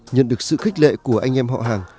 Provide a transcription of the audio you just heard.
nhận được sự khích lệ của anh em họ hàng